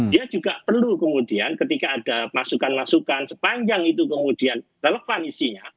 dia juga perlu kemudian ketika ada masukan masukan sepanjang itu kemudian relevan isinya